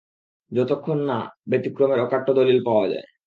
যতক্ষণ না, ব্যতিক্রমের অকাট্য দলীল পাওয়া যায়।